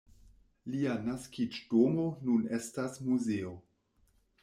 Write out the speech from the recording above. Lia naskiĝdomo nun estas muzeo.